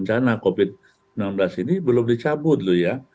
bencana covid sembilan belas ini belum dicabut loh ya